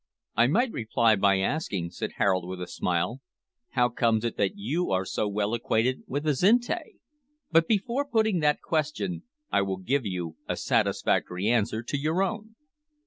"I might reply by asking," said Harold, with a smile, "how comes it that you are so well acquainted with Azinte? but, before putting that question, I will give a satisfactory answer to your own."